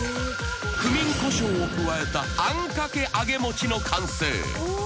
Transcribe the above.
［クミンこしょうを加えたあんかけ揚げ餅の完成］